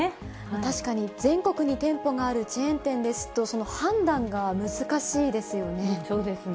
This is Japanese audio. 確かに全国に店舗があるチェーン店ですと、その判断が難しいですよね。